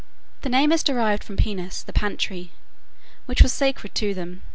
Their name is derived from Penus, the pantry, which was sacred to them.